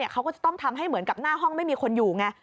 เขาก็จะต้องทำให้เหมือนกับหน้าห้องไม่มีคนอยู่ไง